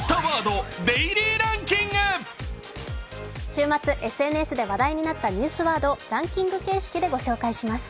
週末ＳＮＳで話題になったニュースワードをランキング形式でご紹介します。